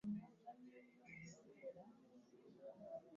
Mwebale kubeera nga mweyagala bulungi.